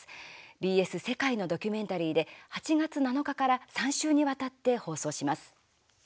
ＢＳ世界のドキュメンタリーで８月７日から３週にわたって放送します。